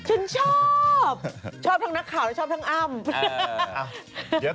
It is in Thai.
ฉันชอบชอบทั้งนักข่าวและชอบทั้งอ้ำ